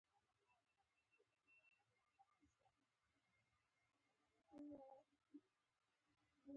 که د کلیوالي سیمو ننداره کوې.